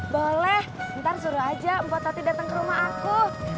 boleh ntar suruh aja mpok tati dateng ke rumah aku